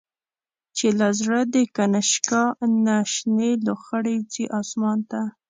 چی له زړه د”کنشکا”نه، شنی لو خړی ځی آسمان ته